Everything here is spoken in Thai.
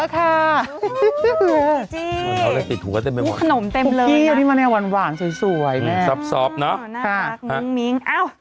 ขนมเต็มเลยพวกนี้ซี่ฟะเนี่ยหวานสวยแม่ซอบเนาะโอ้ยน่ารักมิ้ง